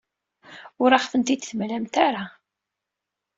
Ur aɣ-ten-id-temlamt ara.